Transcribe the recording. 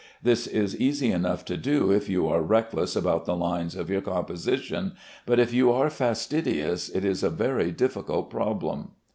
This is easy enough to do if you are reckless about the lines of your composition, but if you are fastidious, it is a very difficult problem.